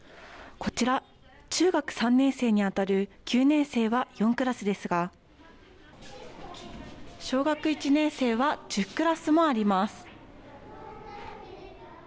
こちら、中学３年生にあたる９年生は４クラスですが小学校１年生は１０クラスもあります。